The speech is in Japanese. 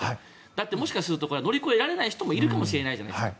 だってもしかしたらこれは乗り越えられない人もいるかもしれないじゃないですか。